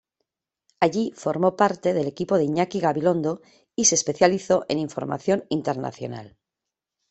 Allí formó parte del equipo de Iñaki Gabilondo y se especializó en información internacional.